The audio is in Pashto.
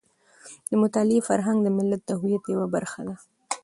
د مطالعې فرهنګ د ملت د هویت یوه برخه ده.